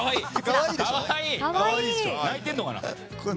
泣いてるのかな？